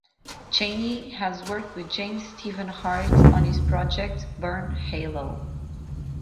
Chaney has worked with James Stephen Hart on his project Burn Halo.